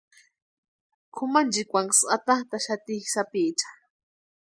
Kʼumanchikwanksï atantaxati sapiecha.